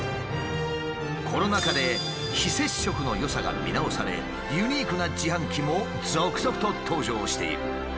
コロナ禍で非接触のよさが見直されユニークな自販機も続々と登場している。